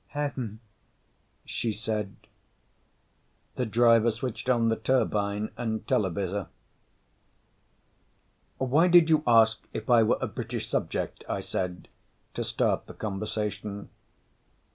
"Heaven," she said. The driver switched on the turbine and televisor. "Why did you ask if I were a British subject?" I said, to start the conversation.